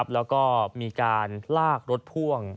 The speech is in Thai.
แล้วก็มีการลากรถพ่วง